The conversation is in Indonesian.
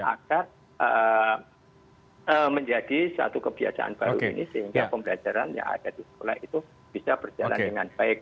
agar menjadi satu kebiasaan baru ini sehingga pembelajaran yang ada di sekolah itu bisa berjalan dengan baik